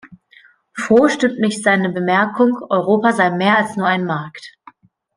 Froh stimmt mich seine Bemerkung, Europa sei mehr als nur ein Markt.